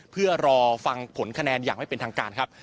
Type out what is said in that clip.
เพื่อรอฟังผลคะแนนอย่างไม่เป็นทางการครับ